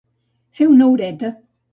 Fer una horeta.